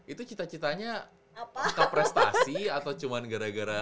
itu cita citanya suka prestasi atau cuma gara gara